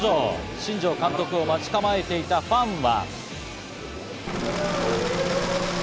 新庄監督を待ち構えていたファンは。